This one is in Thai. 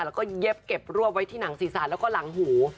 แล้วก็เย็บเก็บรวบไว้ที่หนังศีรษะแล้วก็หลังหู